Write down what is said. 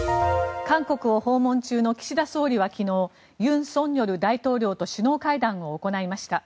韓国を訪問中の岸田総理は昨日尹錫悦大統領と首脳会談を行いました。